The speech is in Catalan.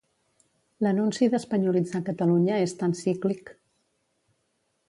L'anunci d'espanyolitzar Catalunya és tan cíclic